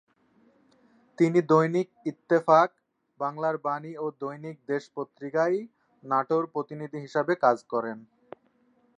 তিনি দৈনিক ইত্তেফাক, বাংলার বাণী ও দৈনিক দেশ পত্রিকায় নাটোর প্রতিনিধি হিসেবে কাজ করেন।